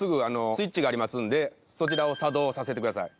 スイッチがありますんでそちらを作動させてください。